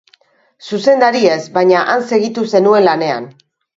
Zuzendari ez, baina han segitu zenuen lanean.